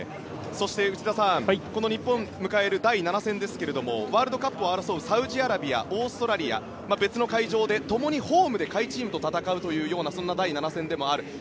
そして、内田さんこの日本が迎える第７戦ですがワールドカップを争うサウジアラビア、オーストラリア別の会場で共にホームで下位チームと戦うそんな第７戦でもある。